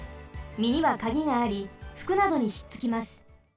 みにはカギがありふくなどにひっつきます。